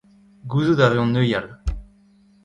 Gouzout a reont neuial.